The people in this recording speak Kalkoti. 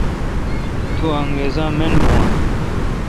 تو انگرزا من بھو اؘ?۔